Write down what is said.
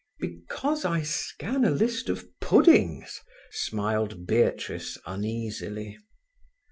"Because I scan a list of puddings?" smiled Beatrice uneasily.